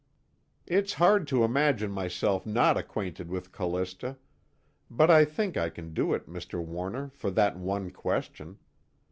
"It's hard to imagine myself not acquainted with Callista. But I think I can do it, Mr. Warner, for that one question.